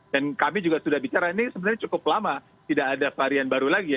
dan kami juga sudah bicara ini sebenarnya cukup lama tidak ada varian baru lagi ya